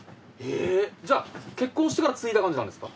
じゃあ結婚してから継いだ感じなんですか？